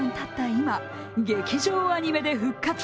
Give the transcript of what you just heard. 今、劇場アニメで復活。